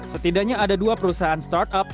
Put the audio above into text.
setidaknya ada dua perusahaan startup